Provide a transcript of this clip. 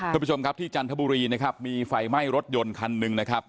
คุณผู้ชมครับที่จันทบุรีนะครับมีไฟไหม้รถยนต์คันหนึ่งนะครับ